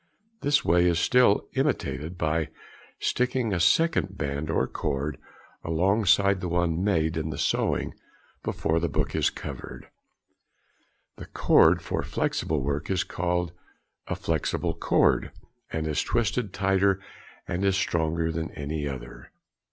This way is still imitated by sticking a second band or cord alongside the one made in sewing, before the book is covered. The cord for flexible work is called a "flexible cord," and is twisted tighter and is stronger than any other.